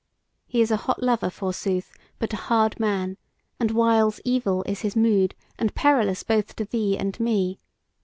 He is a hot lover forsooth, but a hard man; and whiles evil is his mood, and perilous both to thee and me.